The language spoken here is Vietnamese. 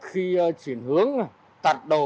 khi chuyển hướng tạt đầu